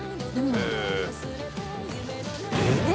えっ？